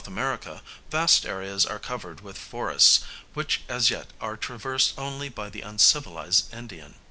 America vast areas are covered with forests, which as yet are traversed only by the uncivilized Indian.